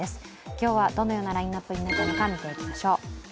今日はどのようなラインナップになったのか見ていきましょう。